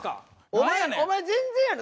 お前全然やろ。